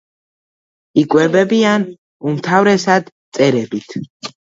იკვებებიან უმთავრესად მწერებით.